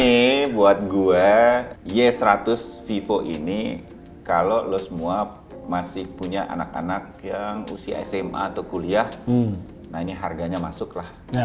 ini buat gue y seratus vivo ini kalau lo semua masih punya anak anak yang usia sma atau kuliah nah ini harganya masuk lah